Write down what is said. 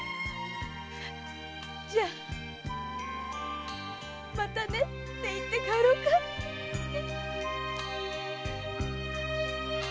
じゃあ「またね」って言って帰ろうか。ね？